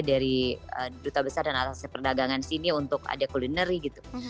dari duta besar dan atas perdagangan sini untuk ada culinary gitu